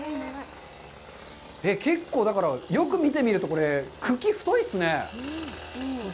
結構だから、よく見てみると、茎が太いですね。